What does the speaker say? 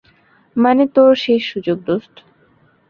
মানে, তোর শেষ সুযোগ, দোস্ত।